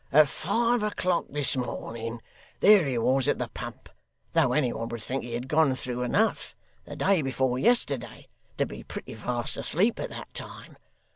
At five o'clock this morning, there he was at the pump, though any one would think he had gone through enough, the day before yesterday, to be pretty fast asleep at that time.